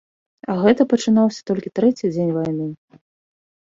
А гэта пачынаўся толькі трэці дзень вайны.